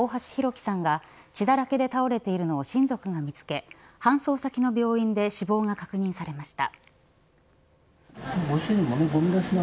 輝さんが血だらけで倒れているのを親族が見つけ搬送先の病院で死亡が確認されました。